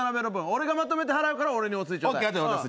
俺がまとめて払うから俺にお釣りちょうだい。